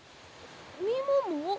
みもも？